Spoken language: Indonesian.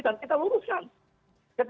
dan kita luruskan ketika kang musen